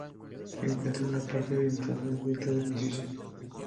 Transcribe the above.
Se encuentra en la parte oriental del delta del Misisipi.